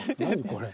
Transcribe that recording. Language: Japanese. これ。